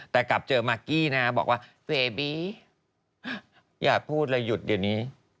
แต่กลับเจอมากกี้นะบอกว่าเฟบีอย่าพูดเลยหยุดเดี๋ยวนี้